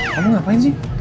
kamu ngapain sih